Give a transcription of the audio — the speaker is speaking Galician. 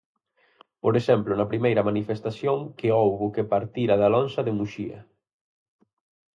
Por exemplo na primeira manifestación que houbo que partira da Lonxa de Muxía.